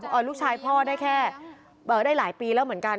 ลูกชายพ่อได้แค่ได้หลายปีแล้วเหมือนกัน